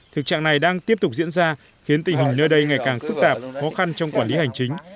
thực trạng này đang tiếp tục diễn ra khiến tình hình nơi đây ngày càng phức tạp khó khăn trong quản lý hành chính